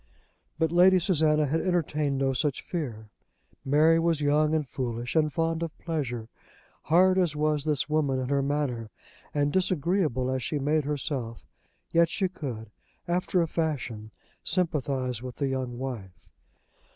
But Lady Susanna had entertained no such fear. Mary was young, and foolish, and fond of pleasure. Hard as was this woman in her manner, and disagreeable as she made herself, yet she could, after a fashion, sympathise with the young wife.